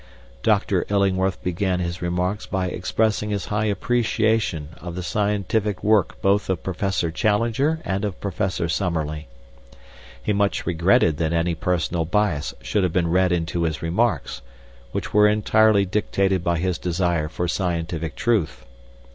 "Dr. Illingworth began his remarks by expressing his high appreciation of the scientific work both of Professor Challenger and of Professor Summerlee. He much regretted that any personal bias should have been read into his remarks, which were entirely dictated by his desire for scientific truth.